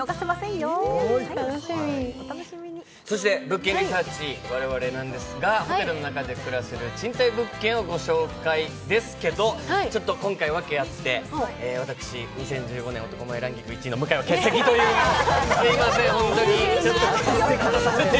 そして「物件リサーチ」我々なんですが、ホテルの中で暮らせる賃貸物件をご紹介ですけれど、今回、訳あって、私２０１５年男前ランキング１位の向井は欠席ということですいません、本当に。